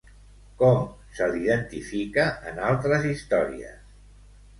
Com se l'identifica en altres històries?